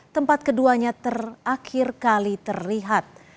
tempat keduanya terakhir kali terlihat